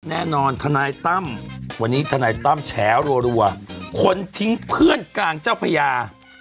ทนายตั้มวันนี้ทนายตั้มแฉรัวคนทิ้งเพื่อนกลางเจ้าพญา